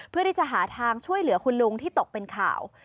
เพื่อหาทางที่จะช่วยเหลือคุณลุงที่ตกเป็นข่าว